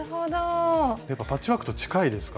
やっぱパッチワークと近いですか？